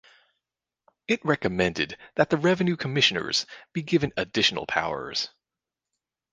It recommended that the Revenue Commissioners be given additional powers.